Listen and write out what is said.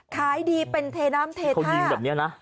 ขายดีเป็นเทน้ำเทท่าเขายิงแบบเนี่ยนะ